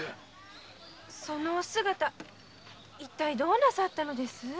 そのお姿一体どうなさったのです？